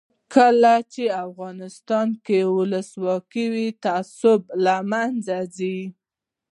کله چې افغانستان کې ولسواکي وي تعصب له منځه ځي.